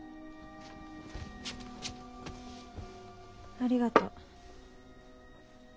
ありがとう。